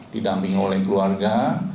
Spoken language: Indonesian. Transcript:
didamping oleh keluarga